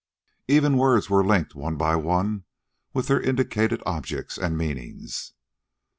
Even words were linked one by one with their indicated objects and meanings.